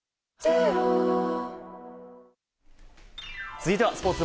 続いてはスポーツ。